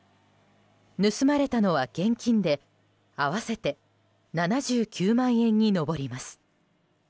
盗まれたのは現金で合わせて７９万円に上ります。